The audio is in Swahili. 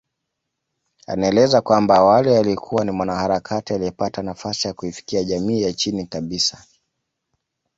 Anaeleza kwamba awali alikuwa ni mwanaharakati aliyepata nafasi ya kuifikia jamii ya chini kabisa